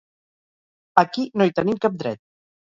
Aquí no hi tenim cap dret.